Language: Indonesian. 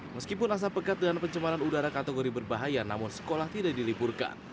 meskipun asap pekat dan pencemaran udara kategori berbahaya namun sekolah tidak diliburkan